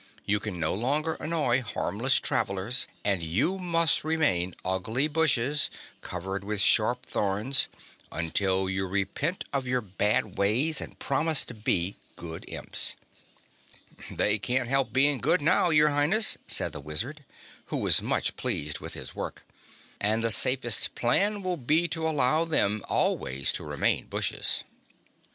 You can no longer annoy harmless travelers and you must remain ugly bushes, covered with sharp thorns, until you repent of your bad ways and promise to be good Imps." "They can't help being good now, your Highness," said the Wizard, who was much pleased with his work, "and the safest plan will be to allow them always to remain bushes."